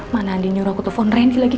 mana andi nyuruh aku telfon randy lagi